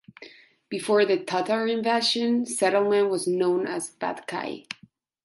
Before the Tatar invasion, settlement was known as Batkay.